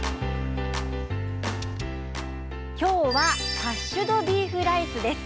今日はハッシュドビーフライスです。